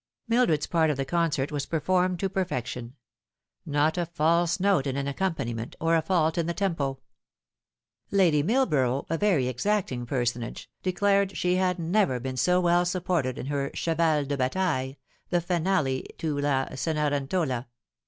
Mildred's part of the concert was performed to perfection not a false note in an accompaniment, or a fault in the tempo. Lady Millborough, a very exacting personage, declared she had never been so well supported in her cheval de bataille, the finale to La Cenerentola.